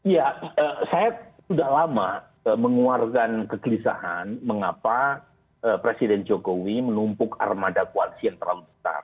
ya saya sudah lama mengeluarkan kegelisahan mengapa presiden jokowi menumpuk armada koalisi yang terlalu besar